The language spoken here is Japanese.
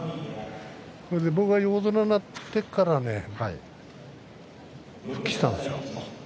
僕が横綱になってから復帰したんですよ。